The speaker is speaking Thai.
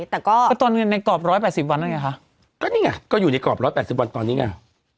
แต่ก็ตอนนี้ในกรอบร้อยแปดสิบวันแล้วไงคะก็นี่ไงก็อยู่ในกรอบร้อยแปดสิบวันตอนนี้ไง